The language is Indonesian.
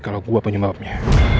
kalo gue penyembahannya